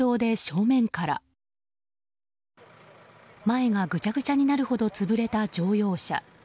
前がぐちゃぐちゃになるほど潰れた乗用車。